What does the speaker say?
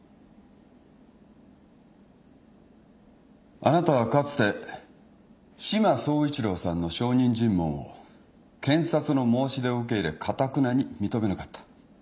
あなたはかつて志摩総一郎さんの証人尋問を検察の申し出を受け入れかたくなに認めなかった。